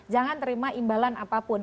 jangan terima imbalan apapun